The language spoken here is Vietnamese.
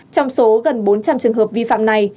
trong số gần bốn trăm linh trường hợp vi phạm này